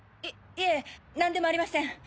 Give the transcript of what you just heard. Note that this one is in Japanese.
いいえなんでもありません。